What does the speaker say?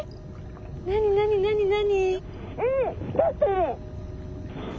何何何何？